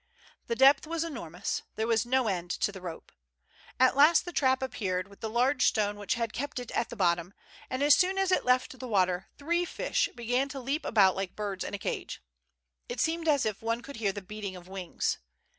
The depth was enormous, there was no end to the rope. At last the trap appeared, with tl^e large stone which had kept it at the bottom, and as soon as it left the water, three fish began to leap about like birds in a cage. It seemed as if one could hear the beating of wings.